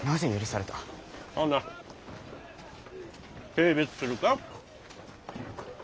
軽蔑するか？